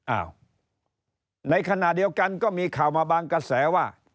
อ้าวในขณะเดียวกันก็มีข่าวมาบางกระแสว่า